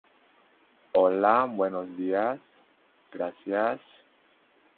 A continuación abrió fuego.